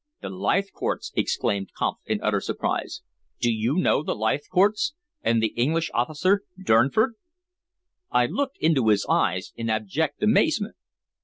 "The Leithcourts!" exclaimed Kampf in utter surprise. "Do you know the Leithcourts and the English officer Durnford?" I looked into his eyes in abject amazement.